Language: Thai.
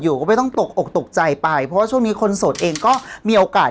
ก็ไม่ต้องตกอกตกใจไปเพราะว่าช่วงนี้คนโสดเองก็มีโอกาส